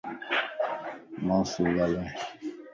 مان سي گالائي